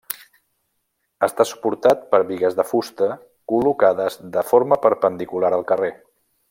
Està suportat per bigues de fusta col·locades de forma perpendicular al carrer.